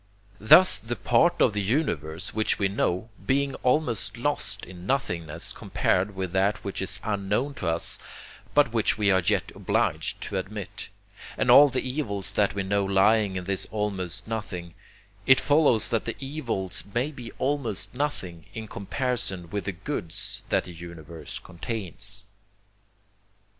Thus the part of the Universe which we know, being almost lost in nothingness compared with that which is unknown to us, but which we are yet obliged to admit; and all the evils that we know lying in this almost nothing; it follows that the evils may be almost nothing in comparison with the goods that the Universe contains."